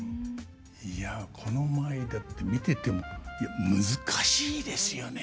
いやこの舞だって見ててもいや難しいですよね。